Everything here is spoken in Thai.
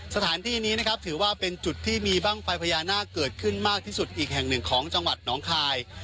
สถานที่นี้นะครับถือว่าเป็นจุดที่มีบ้างไฟพญานาคเกิดขึ้นมากที่สุดอีกแห่งหนึ่งของจังหวัดน้องคาย